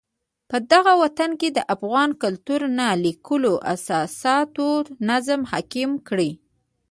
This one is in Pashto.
پدغه وطن کې د افغان کلتور نا لیکلو اساساتو نظم حاکم کړی.